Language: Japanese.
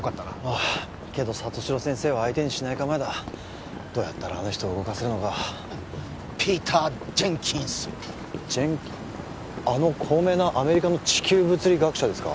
あけど里城先生は相手にしない構えだどうやったらあの人を動かせるのかピーター・ジェンキンスジェンキあの高名なアメリカの地球物理学者ですか？